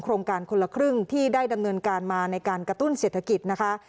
โครงการคนละครึ่งที่ได้ดำเนินการมาในการกระตุ้นเศรษฐกิจนะคะ